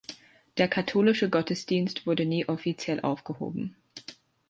Der katholische Gottesdienst wurde nie offiziell aufgehoben.